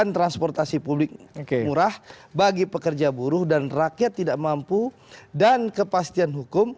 transportasi publik murah bagi pekerja buruh dan rakyat tidak mampu dan kepastian hukum